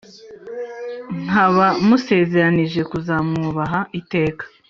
nkaba musezeranije kuzamwubaha iteka